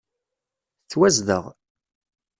Tettwazdeɣ.